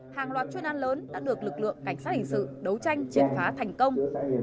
hàng loạt chuyên an lớn đã được lực lượng cảnh sát hình sự đấu tranh triệt phá thành công